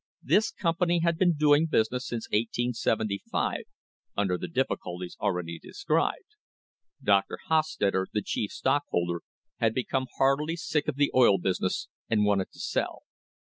This company had been doing business, since 1875, under the difficulties already de scribed. Dr. Hostetter, the chief stockholder, had become heartily sick of the oil business and wanted to sell.